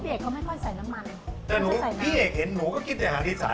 พี่เอกเขาไม่ค่อยใส่น้ำมันแต่หนูพี่เอกเห็นหนูก็กินแต่อาหารดิสาร